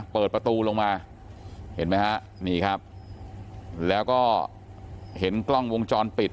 เปิดประตูลงมาเห็นไหมฮะนี่ครับแล้วก็เห็นกล้องวงจรปิด